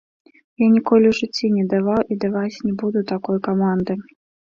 Я ніколі ў жыцці не даваў і даваць не буду такой каманды.